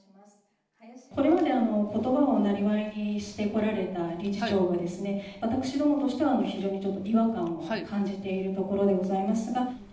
これまで、ことばをなりわいにしてこられた理事長がですね、私どもとしては、ちょっと非常に違和感を感じているところでございますが。